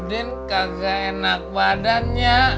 din kagak enak badannya